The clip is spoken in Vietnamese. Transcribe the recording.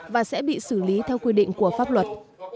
và sẽ bị xử lý theo quy định của pháp luật